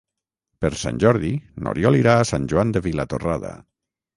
Per Sant Jordi n'Oriol irà a Sant Joan de Vilatorrada.